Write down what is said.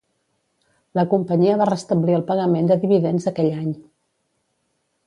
La companyia va restablir el pagament de dividends aquell any.